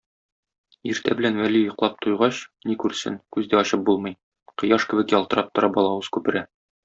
Иртә белән Вәли йоклап туйгач, ни күрсен, күз дә ачып булмый: кояш кебек ялтырап тора балавыз күпере.